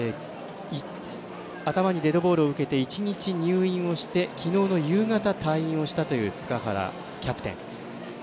頭にデッドボールを受けて１日入院をして、昨日の夕方退院をしたという塚原キャプテン。